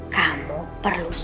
kamu perlu semua